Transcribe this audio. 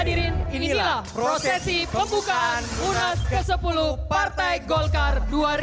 hadirin inilah prosesi pembukaan lunas ke sepuluh partai golkar dua ribu sembilan belas